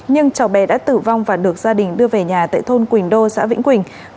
nhưng cháu bé đã tử vong và được gia đình đưa về nhà tại thôn quỳnh đô xã vĩnh quỳnh